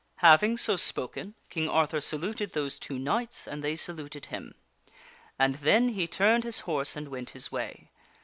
Having so spoken, King Arthur saluted those two knights and they saluted him. And then he turned his horse and went his way.